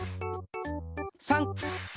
３！